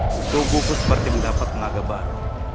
kutubuku seperti mendapatkan tenaga baru